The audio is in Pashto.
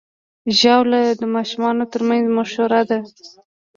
ژاوله د ماشومانو ترمنځ مشهوره ده.